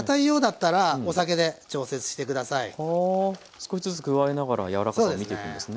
少しずつ加えながら柔らかさを見ていくんですね。